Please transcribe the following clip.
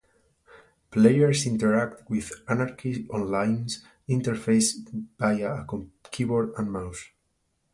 Players interact with "Anarchy Online"'s interface via a keyboard and mouse.